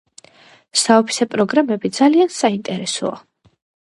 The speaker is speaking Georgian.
საოფისე პროგრამები ძალიან საინტერესოა